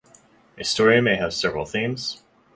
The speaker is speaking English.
A story may have several themes.